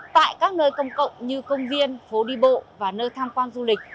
tại các nơi công cộng như công viên phố đi bộ và nơi tham quan du lịch